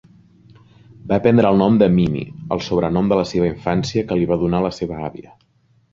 Va prendre el nom de "Mimi", el sobrenom de la seva infància que li va dona la seva àvia.